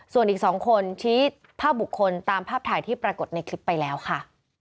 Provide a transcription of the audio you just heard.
ส่วนอีก๒คนชี้ภาพบุคคลตามภาพถ่ายที่ปรากฏในคลิปไปแล้วค่ะ